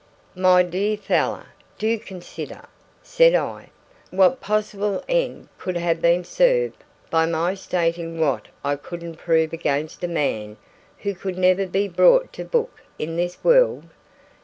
"My dear fellow, do consider!" said I. "What possible end could have been served by my stating what I couldn't prove against a man who could never be brought to book in this world?